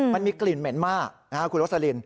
มันมีกลิ่นเหม็นมากคุณโรสลิน